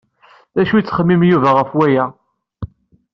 D acu yettxemmim Yuba ɣef aya?